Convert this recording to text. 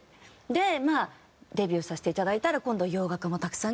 でまあデビューさせていただいたら今度は。